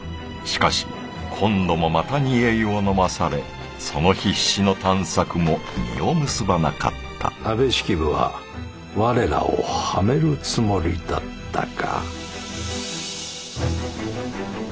しかし今度もまた煮え湯を飲まされその必死の探索も実を結ばなかった安部式部は我らをはめるつもりだったか。